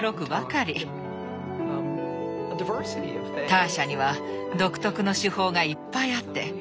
ターシャには独特の手法がいっぱいあって。